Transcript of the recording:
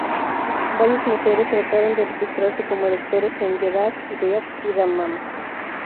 Varias mujeres trataron de registrarse como electores en Jeddah, Riad y Dammam.